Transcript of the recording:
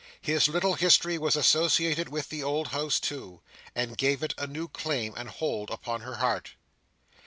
His little history was associated with the old house too, and gave it a new claim and hold upon her heart.